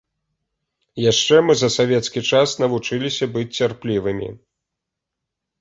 Яшчэ мы за савецкі час навучыліся быць цярплівымі.